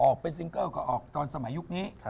ออกเป็นซิงเกิลก็ออกตอนสมัยยุคนี้